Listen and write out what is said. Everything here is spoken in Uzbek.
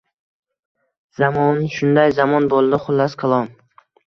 Zamon shunday zamon boʼldi, xullas kalom